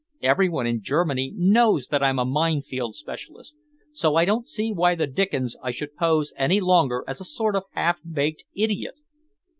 Every one in Germany knows that I'm a mine field specialist, so I don't see why the dickens I should pose any longer as a sort of half baked idiot."